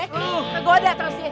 ke goda terus dia